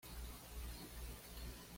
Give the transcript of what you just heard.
News" y sus coberturas en la alfombra roja.